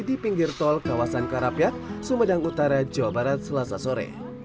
di pinggir tol kawasan karapiak sumedang utara jawa barat selasa sore